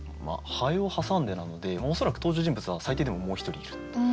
「蝿を挟んで」なので恐らく登場人物は最低でももう一人いる。